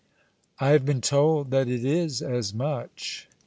"I have been told that it is as much."